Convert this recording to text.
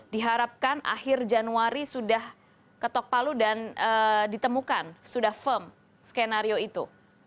diharapkan akhir januari sudah ketok palu dan ditemukan sudah firm skenario itu